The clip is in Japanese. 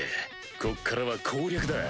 こっからは攻略だ。